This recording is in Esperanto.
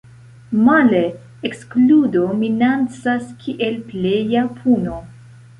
Male, ekskludo minacas kiel pleja puno.